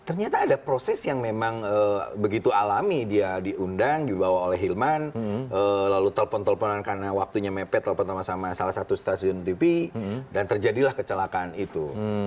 ternyata ada proses yang memang begitu alami dia diundang dibawa oleh hilman lalu telpon telponan karena waktunya mepet telepon sama sama salah satu stasiun tv dan terjadilah kecelakaan itu